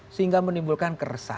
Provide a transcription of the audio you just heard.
sehingga menimbulkan keresan